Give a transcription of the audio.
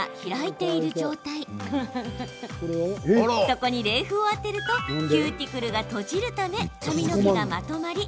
そこに冷風を当てるとキューティクルが閉じるため髪の毛がまとまり